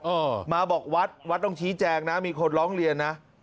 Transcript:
เออมาบอกวัดวัดต้องชี้แจงนะมีคนร้องเรียนนะ